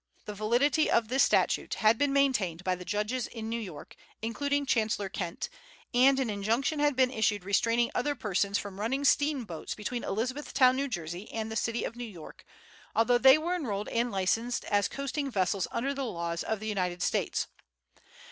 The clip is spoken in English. The validity of this statute had been maintained by the judges in New York, including Chancellor Kent, and an injunction had been issued restraining other persons from running steamboats between Elizabethtown, New Jersey, and the city of New York, although they were enrolled and licensed as coasting vessels under the laws of the United States.